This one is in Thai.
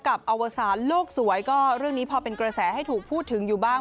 อวสารโลกสวยก็เรื่องนี้พอเป็นกระแสให้ถูกพูดถึงอยู่บ้าง